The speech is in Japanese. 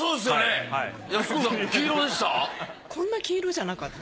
こんな黄色じゃなかった。